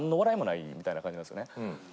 みたいな感じなんですよね。